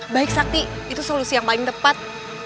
baik sakti itu solusi yang paling tepat